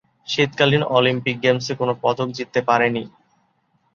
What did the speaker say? শীতকালীন অলিম্পিক গেমসে কোন পদক জিততে পারেনি।